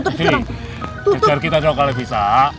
kejar kita coba kalau bisa